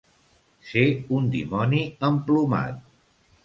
Ser un dimoni emplomat.